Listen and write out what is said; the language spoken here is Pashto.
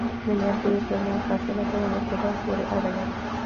د نیالګیو ترمنځ فاصله د ونې په ډول پورې اړه لري؟